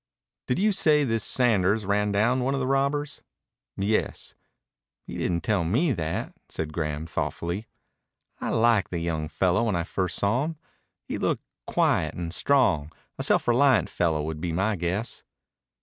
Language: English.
"Did you say this Sanders ran down one of the robbers?" "Yes." "He didn't tell me that," said Graham thoughtfully. "I liked the young fellow when I first saw him. He looks quiet and strong; a self reliant fellow would be my guess."